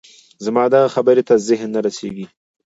زما دغه خبرې ته ذهن نه رسېږي